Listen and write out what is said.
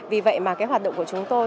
vì vậy hoạt động của chúng tôi